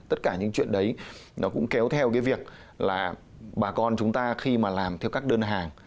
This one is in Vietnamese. tất cả những chuyện đấy nó cũng kéo theo cái việc là bà con chúng ta khi mà làm theo các đơn hàng